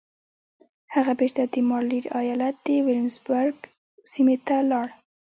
هغه بېرته د ماريلنډ ايالت د ويلمزبرګ سيمې ته لاړ.